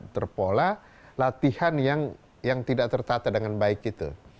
terpola latihan yang tidak tertata dengan baik itu